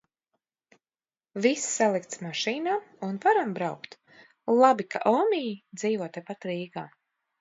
Viss salikts mašīnā, un varam braukt. Labi, ka Omī dzīvo tepat Rīgā.